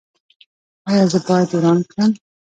ایا زه باید وران کړم؟